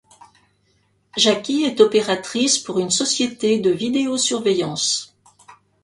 Jackie est opératrice pour une société de vidéosurveillance.